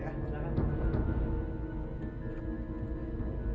fox ence ke kephalem darin dasyat